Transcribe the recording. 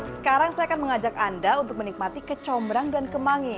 sekarang saya akan mengajak anda untuk menikmati kecombrang dan kemangi